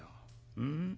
うん。